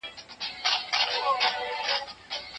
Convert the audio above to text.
بشري قوانین تل بشپړ نه وي.